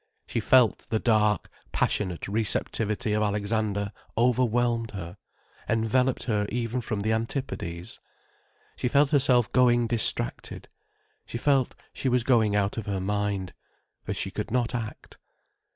She felt the dark, passionate receptivity of Alexander overwhelmed her, enveloped her even from the Antipodes. She felt herself going distracted—she felt she was going out of her mind. For she could not act.